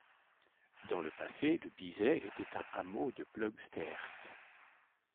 Dans le passé, Le Bizet était un hameau de Ploegsteert.